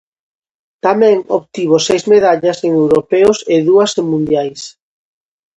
Tamén obtivo seis medallas en europeos e dúas en mundiais.